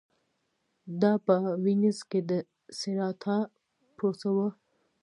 دا په وینز کې د سېراتا پروسه وه